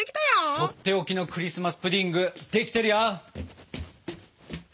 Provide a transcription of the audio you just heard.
とっておきのクリスマス・プディングできてるよ！